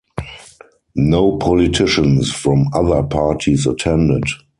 No politicians from other parties attended.